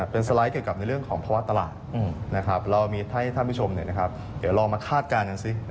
เป็นสไลด์เกี่ยวกับในเรื่องของภาวะตลาดเรามีให้ท่านผู้ชมเดี๋ยวลองมาคาดการณ์กันสิ